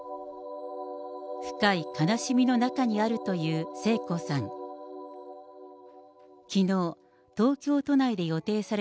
深い悲しみの中にあるという聖子さん。